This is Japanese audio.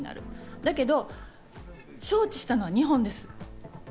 だけど招致したのは日本です。